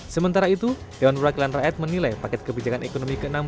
sementara itu dewan rakyat dan rakyat menilai paket kebijakan ekonomi ke enam belas